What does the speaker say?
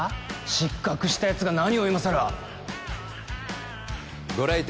失格したやつが何をいまさらご来店